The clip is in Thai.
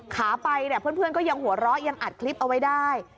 ขาไปเนี่ยเพื่อนก็ยังหัวเราะยังอัดคลิปเอาไว้ได้